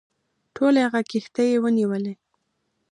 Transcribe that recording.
ټولي هغه کښتۍ ونیولې.